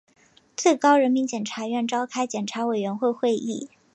最高人民检察院召开检察委员会会议